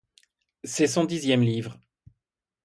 C’est son dixième livre.